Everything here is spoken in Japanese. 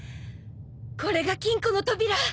これが金庫の扉。